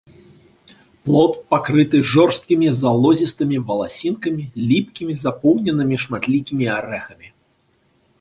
Плод пакрыты жорсткімі залозістымі валасінкамі, ліпкімі, запоўненымі шматлікімі арэхамі.